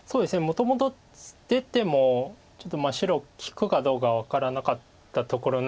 もともと出てもちょっと白利くかどうか分からなかったところなんですけど。